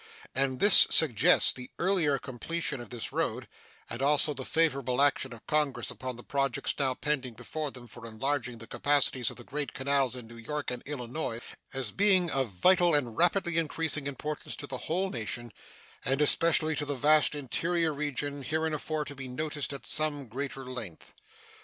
And this suggests the earliest completion of this road, and also the favorable action of Congress upon the projects now pending before them for enlarging the capacities of the great canals in New York and Illinois, as being of vital and rapidly increasing importance to the whole nation, and especially to the vast interior region hereinafter to be noticed at some greater length.